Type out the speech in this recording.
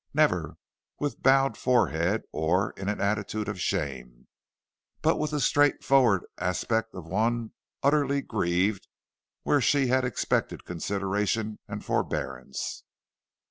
Never with bowed forehead or in an attitude of shame, but with the straightforward aspect of one utterly grieved where she had expected consideration and forbearance.